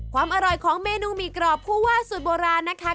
ความอร่อยของเมนูหมี่กรอบผู้ว่าสูตรโบราณนะคะ